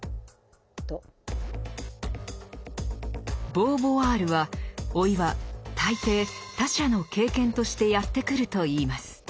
ボーヴォワールは老いは大抵「他者の経験」としてやって来るといいます。